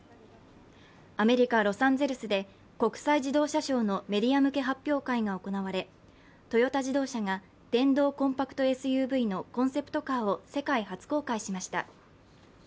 アメリカ・ロサンゼルスで国際自動車ショーのメディア向け発表会が行われ、トヨタ自動車が電動コンパクトＳＵＶのコンセプトカーを世界初公開しました。